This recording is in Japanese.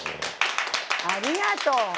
ありがとう。